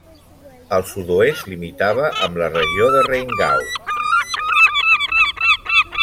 Al sud-oest limitava amb la regió de Rheingau.